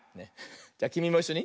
じゃきみもいっしょに。